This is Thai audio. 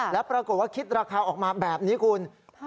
แล้วปรากฏว่าคิดราคาออกมาแบบนี้คุณ